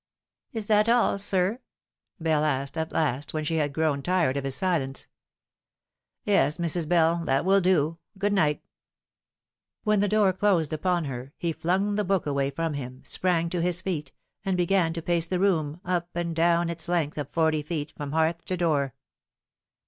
" Is that all, sir ?" Bell asked at last, when she had grown tired of his silence. " Yes, Mrs. Bell, that will do. Good night." The Verdict of her Church. 151 When the door closed upon her, he flung the book away from him, sprang to his feet, and began to pace the room, up and down its length of forty feet, from hearth to door.